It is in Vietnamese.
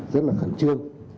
rất là khẩn trương